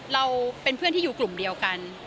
เราเป็นเพื่อนที่อยู่กลุ่มเดียวกัน